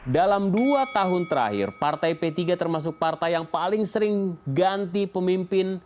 dalam dua tahun terakhir partai p tiga termasuk partai yang paling sering ganti pemimpin